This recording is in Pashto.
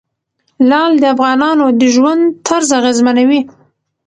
لعل د افغانانو د ژوند طرز اغېزمنوي.